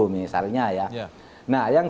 misalnya ya nah yang